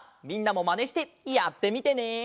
みんなもマネしてやってみてね！